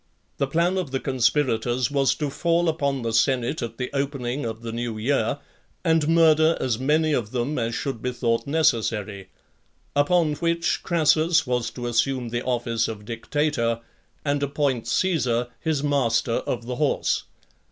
The plan of the conspirators was to fall upon the senate at the opening of the new year, and murder as many of them as should be thought necessary; upon which, Crassus was to assume the office of dictator, and appoint Caesar his master of the horse .